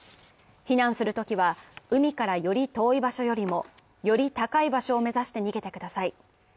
避難するときは、海からより遠い場所よりもより高い場所を目指して逃げてください。